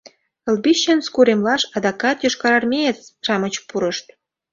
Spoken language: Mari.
Лбищенск уремлаш адакат йошкарармеец-шамыч пурышт.